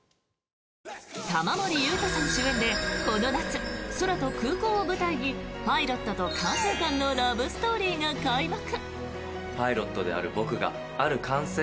玉森裕太さん主演でこの夏、空と空港を舞台にパイロットと管制官のラブストーリーが開幕！